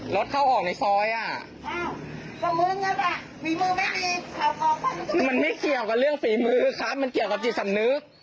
รถเข้าออกในซ้อยอ่ะคำม้าสืบออกมามันไม่เคยเรื่องฝีมือครับมันเกี่ยวกับจิตสำนึก